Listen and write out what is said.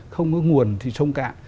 không có nguồn thì sông cạn